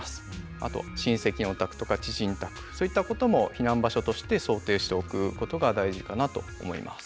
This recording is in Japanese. あと親戚のお宅とか知人宅そういったことも避難場所として想定しておくことが大事かなと思います。